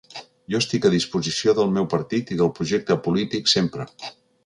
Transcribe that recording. Jo estic a disposició del meu partit i del projecte polític sempre.